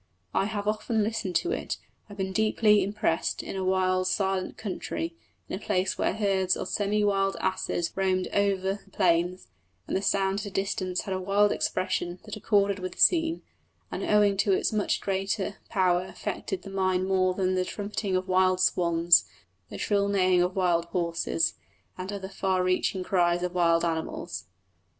I have often listened to it, and have been deeply impressed, in a wild, silent country, in a place where herds of semi wild asses roamed over the plains; and the sound at a distance had a wild expression that accorded with the scene, and owing to its much greater power effected the mind more than the trumpeting of wild swans, and shrill neighing of wild horses, and other far reaching cries of wild animals.